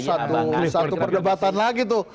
satu perdebatan lagi tuh